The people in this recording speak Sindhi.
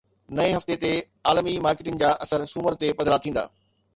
نئين هفتي تي عالمي مارڪيٽن جا اثر سومر تي پڌرا ٿيندا